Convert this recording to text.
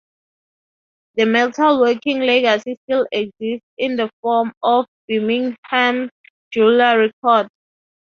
The metalworking legacy still exists in the form of Birmingham's Jewellery Quarter.